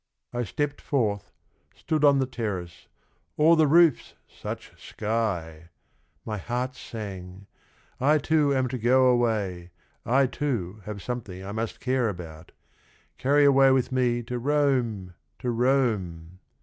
... I stepped forth, Stood on the terrace, — o'er the roofs, such sky I My heart sang, ' I too am to go away, I too have something I must care about, Carry away with me to Rome, to Rome 1